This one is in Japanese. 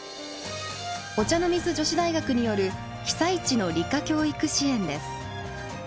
お茶の水女子大学による「被災地の理科教育支援」です。